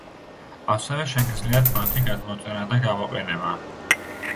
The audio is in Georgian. ასევე შეგიძლიათ მათი გადმოწერა და გამოყენება.